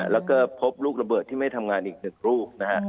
แล้วก็พบลูกระเบิดที่ไม่ทำงานอีกหนึ่งลูกนะฮะ